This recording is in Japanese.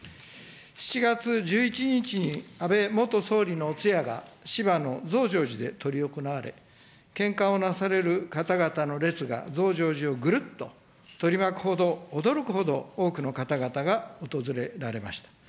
７月１１日に安倍元総理のお通夜が芝の増上寺で執り行われ、献花をなされる方々の列が、増上寺をぐるっと取り巻くほど、驚くほど多くの方々が訪れられました。